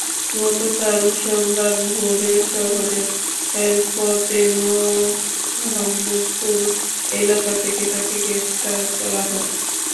গতকাল সোমবার ভোরে শহরের ফতেমোহাম্মদপুর এলাকা থেকে তাঁকে গ্রেপ্তার করা হয়।